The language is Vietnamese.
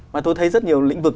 hai mà tôi thấy rất nhiều lĩnh vực